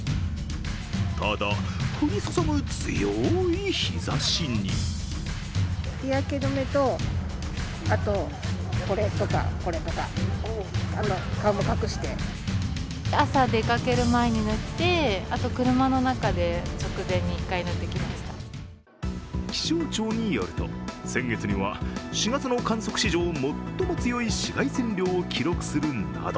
ただ、ふりそぞく強い日ざしに気象庁によると先月には４月の観測史上最も強い紫外線量を記録するなど